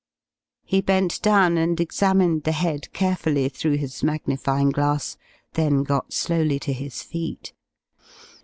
He bent down and examined the head carefully through his magnifying glass, then got slowly to his feet.